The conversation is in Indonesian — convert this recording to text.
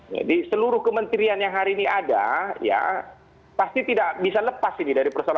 jadi seluruh kementerian yang hari ini ada ya pasti tidak bisa lepas ini dari persoalan